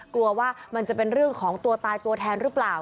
กลัวว่ามันจะเป็นเรื่องของตัวตายตัวแทนหรือเปล่า